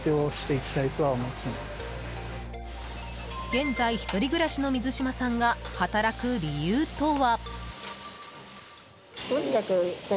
現在１人暮らしの水島さんが働く理由とは？